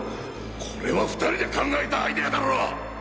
これは２人で考えたアイデアだろ！？